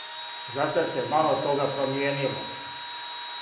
Засад се мало тога промијенило.